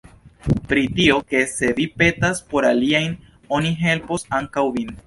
Pri tio, ke se vi petas por aliaj, oni helpos ankaŭ vin.